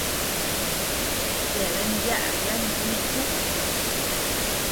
Yeabean yaʼa lantíku.